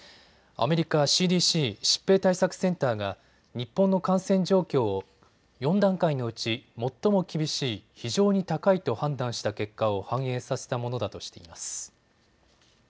アメリカＣＤＣ・疾病対策センターが日本の感染状況を４段階のうち、最も厳しい非常に高いと判断した結果を反映させたものだとしています。